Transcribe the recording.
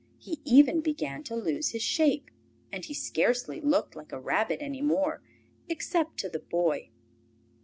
He even began to lose his shape, and he scarcely looked like a rabbit any more, except to the Boy.